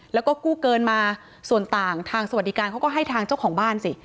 แล้วก็กู้เกินมาส่วนต่างทางสวัสดิการเขาก็ให้ทางเจ้าของบ้านสิ